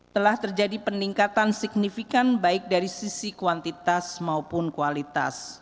telah terjadi peningkatan signifikan baik dari sisi kuantitas maupun kualitas